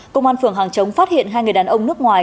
công an phường hàng chống phát hiện hai người đàn ông nước ngoài